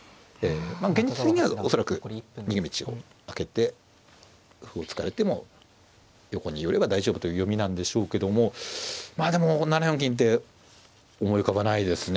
現実的には恐らく逃げ道をあけて歩を突かれても横に寄れば大丈夫という読みなんでしょうけどもまあでも７四金って思い浮かばないですね。